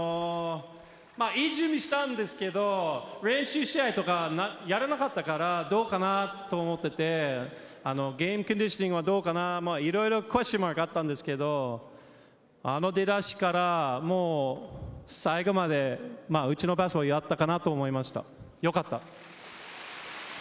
いい準備をしたんですけど、練習試合とか、やらなかったからどうかな？と思っていて、ゲームコンディショニングはどうかな、いろいろコンシューマがあったんですけど、あの出だしから最後までうちのバスケをやったかなと思いました、よかった。